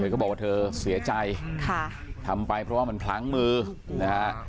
ก็บอกว่าเธอเสียใจค่ะทำไปเพราะว่ามันพลั้งมือนะฮะ